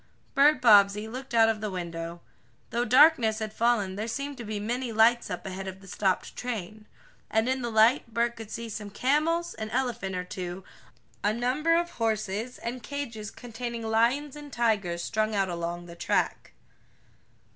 Bert Bobbsey looked out of the window. Though darkness had fallen there seemed to be many lights up ahead of the stopped train. And in the light Bert could see some camels, an elephant or two, a number of horses, and cages containing lions and tigers strung out along the track.